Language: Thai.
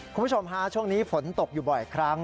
คุณผู้ชมฮะช่วงนี้ฝนตกอยู่บ่อยครั้ง